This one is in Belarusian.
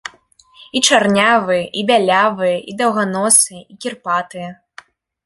І чарнявыя, і бялявыя, і даўганосыя, і кірпатыя.